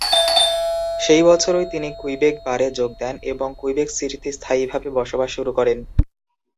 সেই বছরই তিনি কুইবেক বারে যোগ দেন এবং কুইবেক সিটিতে স্থায়ীভাবে বসবাস শুরু করেন।